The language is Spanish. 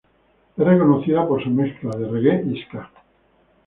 Es reconocida por su mezcla de reggae y ska.